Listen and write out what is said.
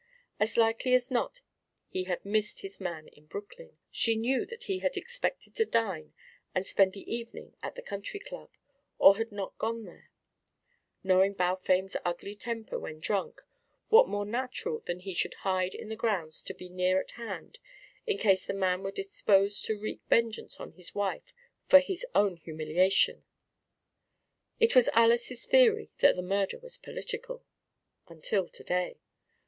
As likely as not he had missed his man in Brooklyn she knew that he had expected to dine and spend the evening at the Country Club or had not gone there; knowing Balfame's ugly temper when drunk, what more natural than that he should hide in the grounds to be near at hand in case the man were disposed to wreak vengeance on his wife for his own humiliation. It was Alys's theory that the murder was political. Until to day!